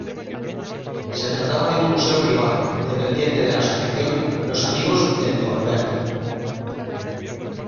Se trataba de un museo privado, dependiente de la asociación "Los amigos del Colbert".